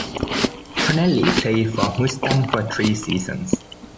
Tonelli played for Houston for three seasons.